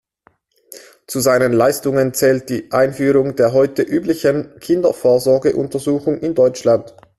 Zu seinen Leistungen zählt die Einführung der heute üblichen Kinder-Vorsorge-Untersuchungen in Deutschland.